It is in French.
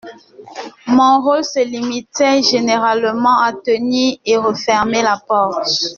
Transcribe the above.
Mon rôle se limitait généralement à tenir et refermer la porte.